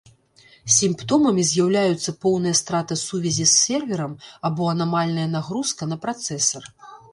Сімптомамі з'яўляюцца поўная страта сувязі з серверам або анамальная нагрузка на працэсар.